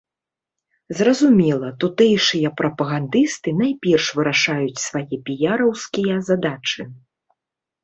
Зразумела, тутэйшыя прапагандысты найперш вырашаюць свае піяраўскія задачы.